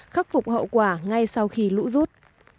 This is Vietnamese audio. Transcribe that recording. khắc phục hậu quả ngay sau khi lũ rút